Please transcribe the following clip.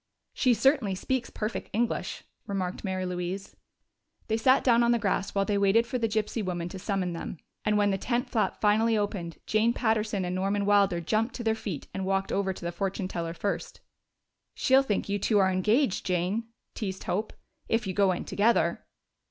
"She certainly speaks perfect English," remarked Mary Louise. They sat down on the grass while they waited for the gypsy woman to summon them, and when the tent flap finally opened, Jane Patterson and Norman Wilder jumped to their feet and walked over to the fortune teller first. "She'll think you two are engaged, Jane," teased Hope, "if you go in together."